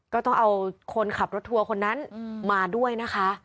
ก็ต้องเอาคนขับรถทัวร์คนนั้นมาด้วยนะคะ